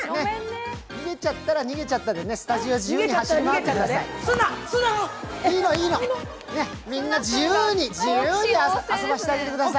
逃げちゃったら逃げちゃったで、スタジオ自由に走り回っちゃってください。